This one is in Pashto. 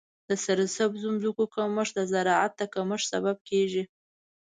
د سرسبزو ځمکو کمښت د زراعت د کمښت سبب کیږي.